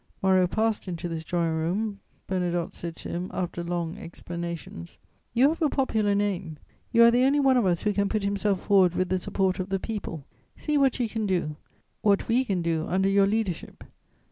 Moreau passed into this drawing room; Bernadotte said to him, after long explanations: "You have a popular name; you are the only one of us who can put himself forward with the support of the people; see what you can do, what we can do under your leader ship."